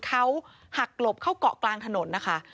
เขาหักหลบเข้าเกาะกลางถนนนะคะ